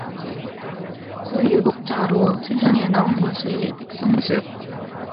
그 유복자로 세상에 나온 것이 백성수였습니다.